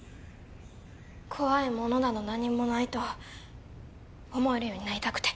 怖いものなど何もないと思えるようになりたくて。